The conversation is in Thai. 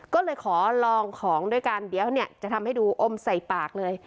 ก็เลยขอลองของด้วยกันเดี๋ยวเนี่ยจะทำให้ดูอมใส่ปากเลย